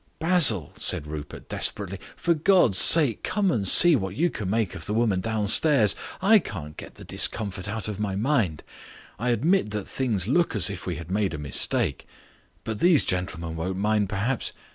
"Basil," said Rupert desperately, "for God's sake come and see what you can make of the woman downstairs. I can't get the discomfort out of my mind. I admit that things look as if we had made a mistake. But these gentlemen won't mind perhaps..."